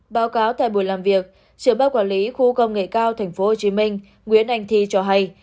báo cáo tại buổi làm việc trưởng ban quản lý khu công nghệ cao thành phố hồ chí minh nguyễn anh thi cho hay